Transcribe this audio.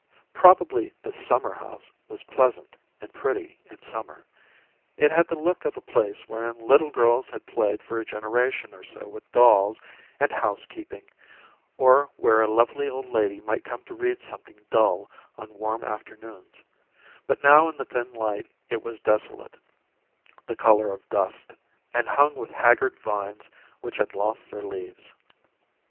Probably the "summer house" was pleasant and pretty in summer. It had the look of a place wherein little girls had played for a generation or so with dolls and "housekeeping," or where a lovely old lady might come to read something dull on warm afternoons; but now in the thin light it was desolate, the color of dust, and hung with haggard vines which had lost their leaves.